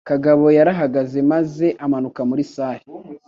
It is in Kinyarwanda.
Kagabo yarahagaze maze amanuka muri salle.